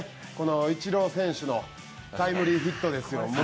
イチロー選手のタイムリーヒットですよ。